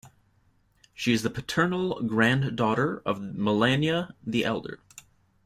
She is the paternal granddaughter of Melania the Elder.